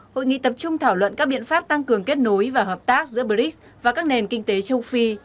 hội nghị tập trung thảo luận các biện pháp tăng cường kết nối và hợp tác giữa brics và các nền kinh tế châu phi